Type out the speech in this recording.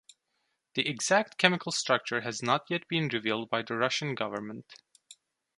The exact chemical structure has not yet been revealed by the Russian government.